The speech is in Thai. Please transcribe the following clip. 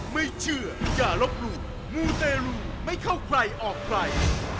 ไม่เชื่ออย่าลบหลู่มูเตรลูไม่เข้าใครออกใคร